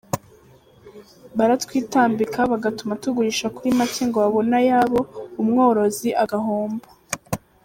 Baratwitambika bagatuma tugurisha kuri make ngo babone ayabo, umworozi agahomba.